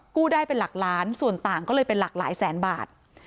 กู้ได้เป็นหลักล้านส่วนต่างก็เลยเป็นหลากหลายแสนบาท